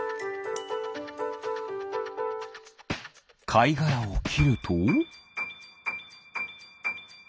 かいがらをきると。